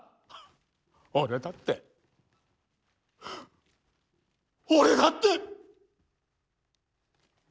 俺だって俺だって！